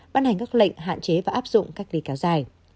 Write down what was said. bán hành các lệnh hạn chế và áp dụng cách ly kéo dài